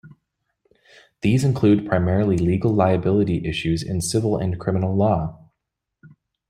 These include primarily legal liability issues in civil and criminal law.